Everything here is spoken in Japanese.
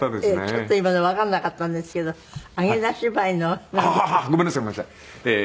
ちょっと今のわかんなかったんですけど「あげな芝居の」なんて。ごめんなさいごめんなさい。